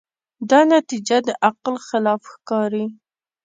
دا نتیجه د عقل خلاف ښکاري.